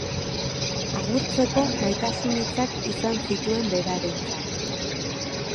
Agurtzeko maitasun hitzak izan zituen berarentzat.